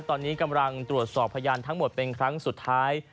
ตอนนี้กำลังตรวจสอบพยานทั้งหมดเป็นครั้งสุดท้าย